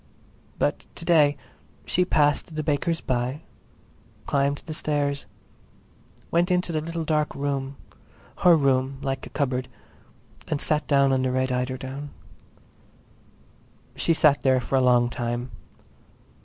But to day she passed the baker's by, climbed the stairs, went into the little dark room—her room like a cupboard—and sat down on the red eiderdown. She sat there for a long time.